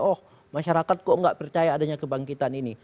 oh masyarakat kok nggak percaya adanya kebangkitan ini